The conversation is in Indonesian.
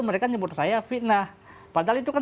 mereka nyebut saya fitnah padahal itu kan